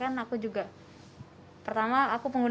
kalau menurut aku sih penegakannya itu kurang bagus